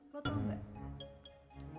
lo tau gak